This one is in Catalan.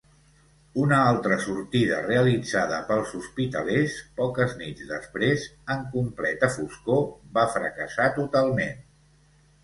Una altra sortida realitzada pels hospitalers, poques nits després, en completa foscor, va fracassar totalment.